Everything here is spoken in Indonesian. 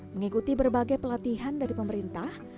mengikuti berbagai pelatihan dari pemerintah